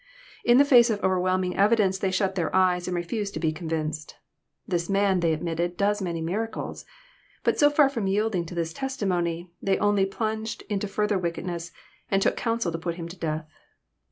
In the face of overwhelming evidence they shut their eyes, and refused to be convinced. " This man, they admitted, " does many miracles." But so far from yielding to this testimony, they only plunged into fhrther wickedness, and " took counsel to put Him to death."